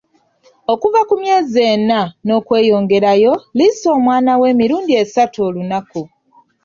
Okuva ku myezi enna n'okweyongerayo, liisa omwana wo emirundi esatu olunaku.